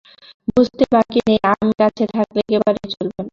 বুঝতে বাকি নেই আমি কাছে থাকলে একেবারেই চলবে না।